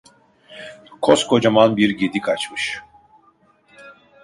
Koskocaman bir gedik açmış.